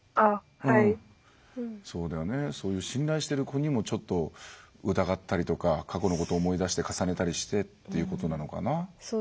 そういう信頼している子にも疑ったりとか過去のことを思い出して重ねたりしてっていうことなのかな。